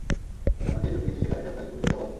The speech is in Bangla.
আমাকে যদি কিছু শেখাতে চান, তাহলে খুবই খুশি হবো আমি।